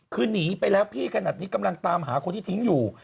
คือหนีไปแล้วพี่ขนาดนี้กำลังตามหาคนที่ทิ้งอยู่